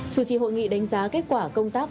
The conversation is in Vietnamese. chủ trì hội nghị đánh giá kết quả công tác